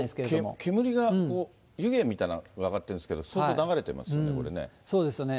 煙が、湯気みたいなのが上がってるんですけど、相当流れてますね、これそうですよね。